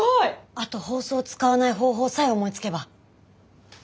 あと包装を使わない方法さえ思いつけば。